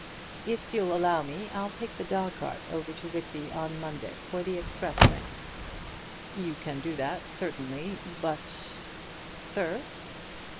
"If you'll allow me, I'll take the dog cart over to Whitby on Monday, for the express train." "You can do that certainly, but " "Sir?"